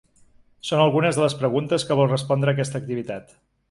Són algunes de les preguntes que vol respondre aquesta activitat.